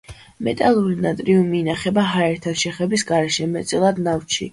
მეტალური ნატრიუმი ინახება ჰაერთან შეხების გარეშე, მეტწილად ნავთში.